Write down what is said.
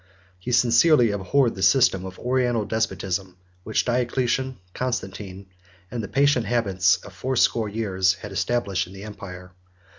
71 He sincerely abhorred the system of Oriental despotism, which Diocletian, Constantine, and the patient habits of fourscore years, had established in the empire.